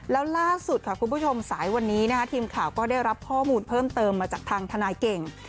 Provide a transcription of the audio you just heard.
แล้วล่าสุดค่ะคุณผู้ชมสายวันนี้ทีมข่าวก็ได้รับข้อมูลเพิ่มเติมมาจากทางทนายเก่ง